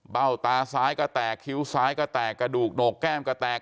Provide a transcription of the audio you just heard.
ตาซ้ายก็แตกคิ้วซ้ายก็แตกกระดูกโหนกแก้มก็แตก